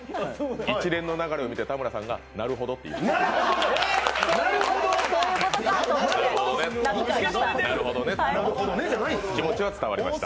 一連の流れを見て田村さんが「なるほど」と言いました。